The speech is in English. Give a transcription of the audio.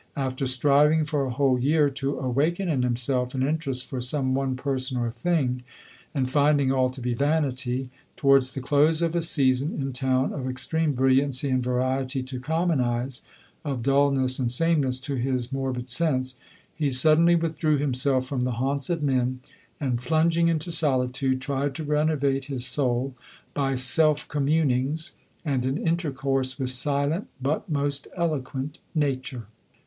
After striving for a whole year to awaken in himself an interest for some one person or thing, and finding all to be " vanity," — towards the close of a season in town, of extreme brilliancy and variety to com mon eyes — of dulness and sameness to his mor bid sense, he suddenly withdrew himself from the haunts of men, and plunging into solitude, tried to renovate his soul by self communings, and an intercourse with silent, but most elo quent, Nature.